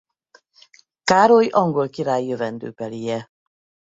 Károly angol király jövendőbelije.